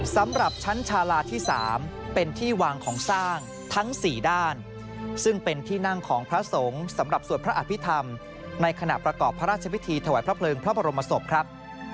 สำหรับชั้นชาลาที่๓เป็นที่วางของสร้างทั้ง๔ด้านซึ่งเป็นที่นั่งของพระสงฆ์สำหรับสวดพระอภิษฐรรมในขณะประกอบพระราชพิธีถวายพระเพลิงพระบรมศพครับ